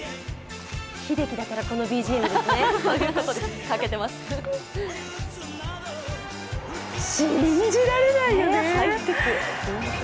ひできだからこのＢＧＭですね信じられないよね。